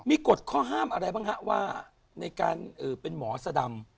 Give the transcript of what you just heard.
มีกฎข้อห้ามอะไรบ้างฮะว่าในการเป็นหมอสดำ